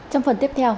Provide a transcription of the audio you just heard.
trong phần tiếp theo